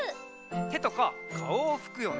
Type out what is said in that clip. てとかかおをふくよね。